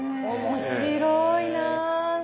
面白いな。